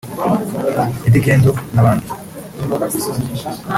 Eddy Kenzo n’abandi